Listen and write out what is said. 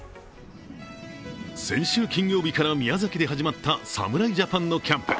先週金曜日から宮崎で始まった侍ジャパンのキャンプ。